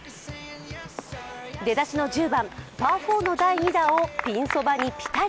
出だしの１０番パー４の第２打をピンそばにピタリ。